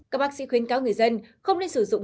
các bác sĩ khuyên cáo người dân không nên sử dụng